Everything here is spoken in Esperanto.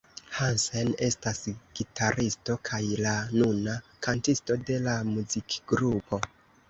Hansen estas gitaristo kaj la nuna kantisto de la muzikgrupo.